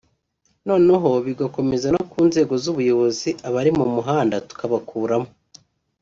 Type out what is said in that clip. noneho bigakomeza no ku nzego z’ubuyobozi abari mu muhanda tukabakuramo